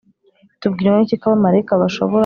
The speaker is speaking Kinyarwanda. Tubwirwa n iki ko abamarayika bashobora